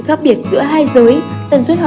khác biệt giữa hai giới tần suốt họ